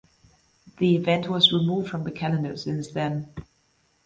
The event was removed from the calendar since then.